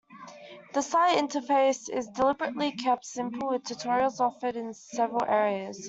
The site interface is deliberately kept simple with tutorials offered in several areas.